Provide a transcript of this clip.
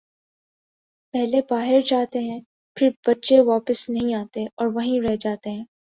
پہلے باہر جا تے ہیں پھر بچے واپس نہیں آتے اور وہیں رہ جاتے ہیں